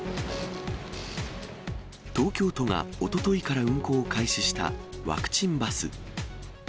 東京都がおとといから運行を開始したワクチンバス。